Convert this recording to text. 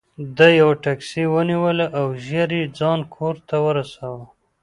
ده یوه ټکسي ونیوله او ژر یې ځان کور ته ورساوه.